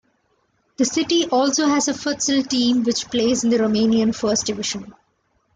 The city also has a futsal team which plays in the Romanian First Division.